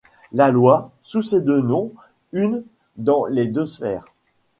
La loi, sous ses deux noms une dans les deux sphères